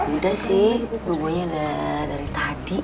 udah sih bobo nya udah dari tadi